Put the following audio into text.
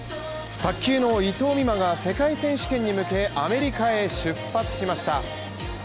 卓球の伊藤美誠が世界選手権に向けてアメリカへ出発しました。